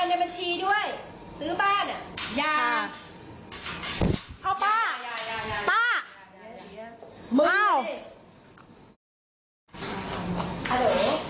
กันในบัญชีด้วยซื้อบ้านอ่ะยาอ้าวป้าป้ามึงอ้าว